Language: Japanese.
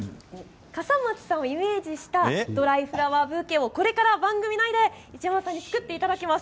笠松さんをイメージしたドライフラワーブーケをこれから番組内で市山さんに作っていただきます。